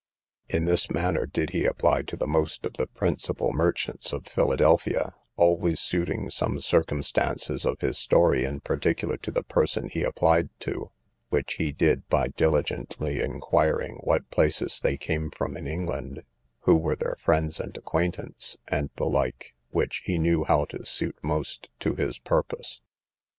In this manner did he apply to the most of the principal merchants of Philadelphia, always suiting some circumstances of his story in particular to the person he applied to; which he did, by diligently inquiring what places they came from in England, who were their friends and acquaintance, and the like, which he knew how to suit most to his purpose.